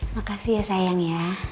makasih ya sayang ya